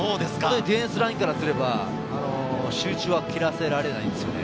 ディフェンスラインからすれば、集中は切らせられないんですよ。